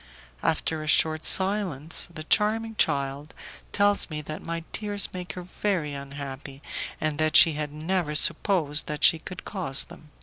After a short silence, the charming child tells me that my tears make her very unhappy, and that she had never supposed that she could cause them.